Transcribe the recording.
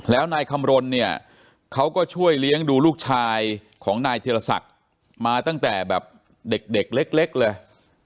แล้วนายคำรณเนี่ยเขาก็ช่วยเลี้ยงดูลูกชายของนายธิรศักดิ์มาตั้งแต่แบบเด็กเล็กเลย